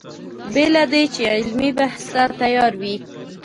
بې له دې چې علمي بحث ته تیار وي.